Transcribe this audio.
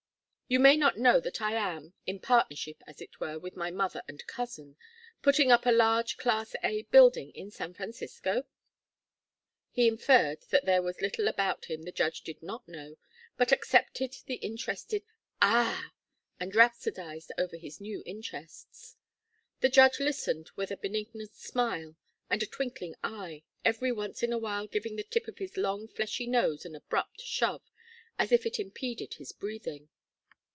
You may not know that I am in partnership, as it were, with my mother and cousin putting up a large Class A building in San Francisco?" He inferred that there was little about him the judge did not know, but accepted the interested "Ah!" and rhapsodized over his new interests. The Judge listened with a benignant smile and a twinkling eye, every once in a while giving the tip of his long fleshy nose an abrupt shove, as if it impeded his breathing.